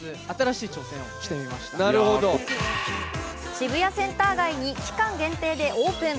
渋谷センター街に期間限定でオープン。